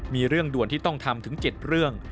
มีเรื่องด่วนที่ต้องทำถึง๗เรื่อง